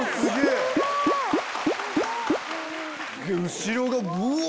後ろがぶわ！